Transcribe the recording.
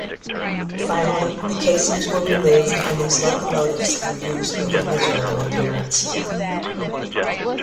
Finally, the casings were removed and these locomotives were used with a miserable appearance.